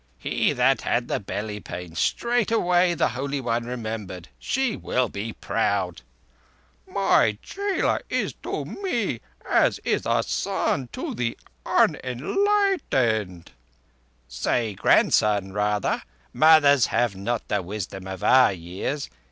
'He that had the belly pain'—straightway the Holy One remembered. She will be proud." "My chela is to me as is a son to the unenlightened." "Say grandson, rather. Mothers have not the wisdom of our years.